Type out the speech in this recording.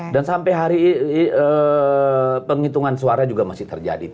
sampai hari ini penghitungan suara juga masih terjadi